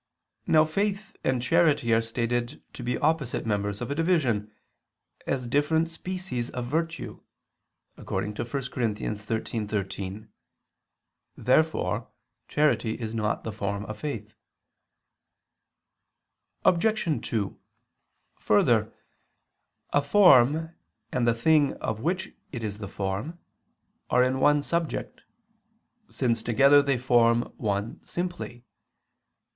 Now faith and charity are stated to be opposite members of a division, as different species of virtue (1 Cor. 13:13). Therefore charity is not the form of faith. Obj. 2: Further, a form and the thing of which it is the form are in one subject, since together they form one simply.